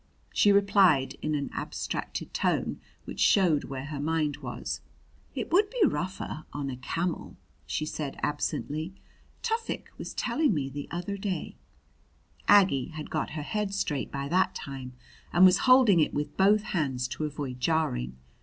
She replied in an abstracted tone, which showed where her mind was. "It would be rougher on a camel," she said absently. "Tufik was telling me the other day " Aggie had got her head straight by that time and was holding it with both hands to avoid jarring.